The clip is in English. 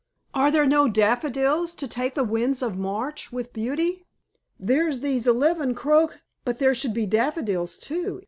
"Are there no daffodils, to take the winds of March with beauty?" "There's these eleven croc " "But there should be daffodils, too.